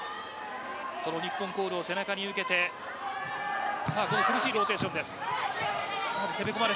その日本コールを背中に受けて苦しいローテーションです。